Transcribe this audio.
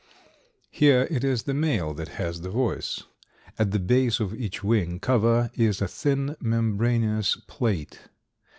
Here it is the male that has the voice. At the base of each wing cover is a thin membraneous plate.